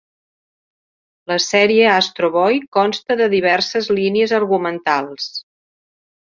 La sèrie "Astro Boy" consta de diverses línies argumentals.